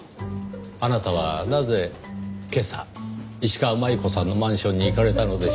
あなたはなぜ今朝石川真悠子さんのマンションに行かれたのでしょう？